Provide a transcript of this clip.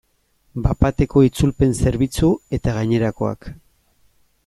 Bat-bateko itzulpen zerbitzu eta gainerakoak.